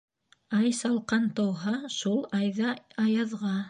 Ай салҡан тыуһа, шул айҙа аяҙға.